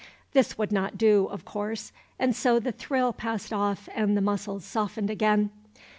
This would not do, of course, and so the thrill passed off and the muscles softened again.